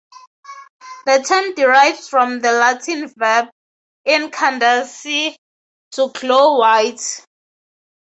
The term derives from the Latin verb "incandescere," to glow white.